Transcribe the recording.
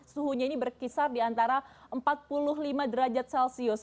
suhunya ini berkisar di antara empat puluh lima derajat celcius